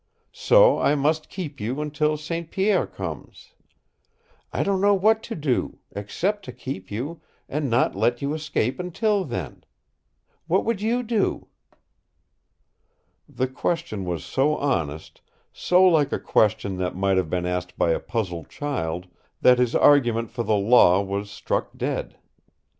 So I must keep you until St. Pierre comes. I don't know what to do except to keep you, and not let you escape until then. What would you do?" The question was so honest, so like a question that might have been asked by a puzzled child, that his argument for the Law was struck dead.